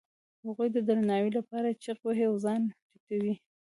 هغوی د درناوي لپاره چیغې وهي او ځان ټیټوي.